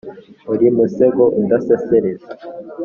uri musego udasesereza